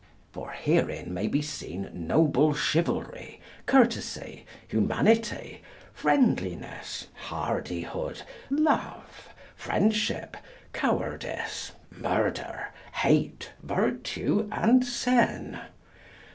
For herein may be seen noble chivalry, courtesy, humanity, friendliness, hardyhood, love, friendship, cowardice, murder, hate, virtue and sin.